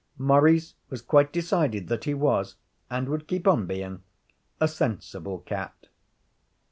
Maurice was quite decided that he was and would keep on being a sensible cat.